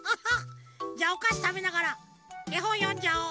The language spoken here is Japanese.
じゃおかしたべながらえほんよんじゃおう！